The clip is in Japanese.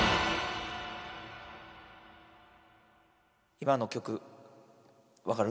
今の曲分かる？